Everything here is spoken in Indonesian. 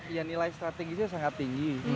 ya nilai strategisnya sangat tinggi